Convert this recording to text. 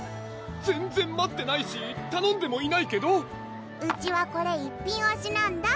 全然待ってないしたのんでもいないけど⁉うちはこれ一品おしなんだ！